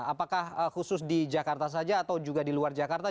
apakah khusus di jakarta saja atau juga di luar jakarta